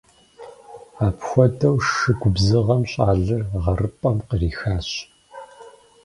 Апхуэдэу шы губзыгъэм щӏалэр гъэрыпӏэм кърихащ.